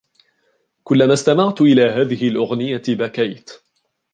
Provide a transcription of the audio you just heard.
كلما استمعت إلى هذه الأغنية بكيت.